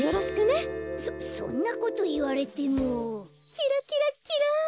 キラキラキラン！